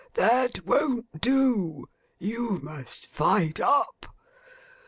That won't do. You must fight up.